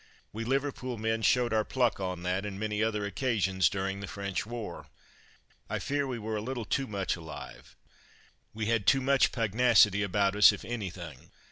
We Liverpool men showed our pluck on that and many other occasions during the French war. I fear we were a little too much alive. We had too much pugnacity about us if anything.